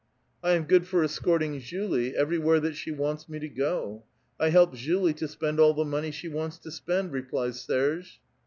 "" I am good for escorting Julie everywhere that she wants me to go. I help Julie to spend all the nioney she wants to spend," replies Serge.